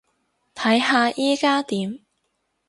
睇下依加點